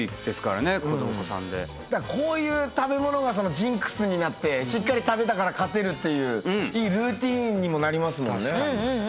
こういう食べ物がジンクスになってしっかり食べたから勝てるっていういいルーティンにもなりますもんね。